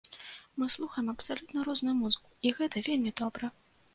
Мы слухаем абсалютна розную музыку і гэта вельмі добра!